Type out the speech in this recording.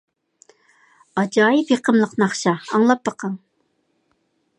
ئاجايىپ يېقىملىق ناخشا، ئاڭلاپ بېقىڭ!